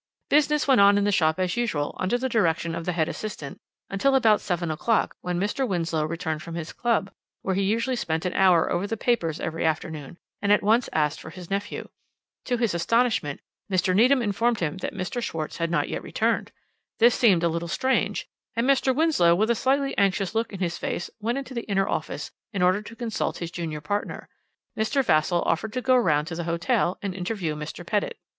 "Business went on in the shop as usual under the direction of the head assistant, until about seven o'clock, when Mr. Winslow returned from his club, where he usually spent an hour over the papers every afternoon, and at once asked for his nephew. To his astonishment Mr. Needham informed him that Mr. Schwarz had not yet returned. This seemed a little strange, and Mr. Winslow, with a slightly anxious look in his face, went into the inner office in order to consult his junior partner. Mr. Vassall offered to go round to the hotel and interview Mr. Pettitt.